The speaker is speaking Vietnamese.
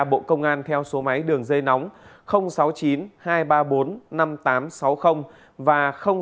bộ công an theo số máy đường dây nóng sáu mươi chín hai trăm ba mươi bốn năm nghìn tám trăm sáu mươi và sáu mươi chín hai trăm ba mươi hai một nghìn sáu trăm